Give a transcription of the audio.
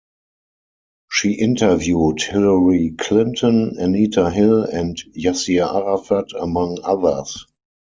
She interviewed Hillary Clinton, Anita Hill and Yasser Arafat, among others.